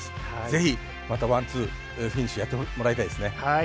ぜひ、またワンツーフィニッシュやってもらいたいですね。